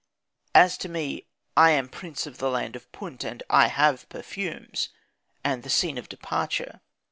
"As for me, I am prince of the land of Punt, and I have perfumes" and the scene of departure.